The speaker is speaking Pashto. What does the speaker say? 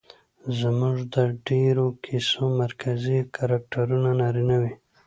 زموږ د ډېرو کيسو مرکزي کرکټرونه نارينه وي